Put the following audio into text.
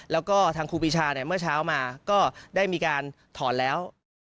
แล้วก็ทางครูปีชาเนี่ยเมื่อเช้ามาก็ได้มีการถอนแล้ว